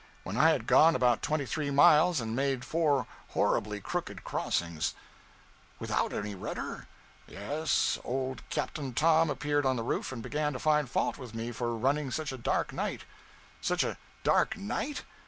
When I had gone about twenty three miles, and made four horribly crooked crossings ' 'Without any rudder?' 'Yes old Capt. Tom appeared on the roof and began to find fault with me for running such a dark night ' 'Such a dark night?